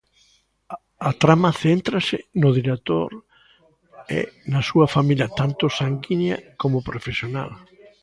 A trama céntrase no director e na súa familia, tanto sanguínea como profesional.